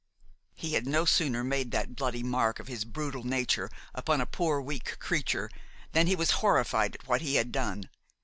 He had no sooner made that bloody mark of his brutal nature upon a poor, weak creature, than he was horrified at what he had done.